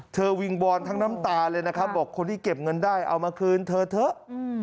วิงวอนทั้งน้ำตาเลยนะครับบอกคนที่เก็บเงินได้เอามาคืนเธอเถอะ